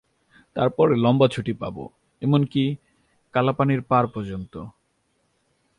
তার পরে লম্বা ছুটি পাব, এমন-কি, কালাপানির পার পর্যন্ত!